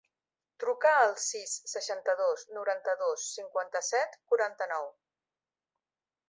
Truca al sis, seixanta-dos, noranta-dos, cinquanta-set, quaranta-nou.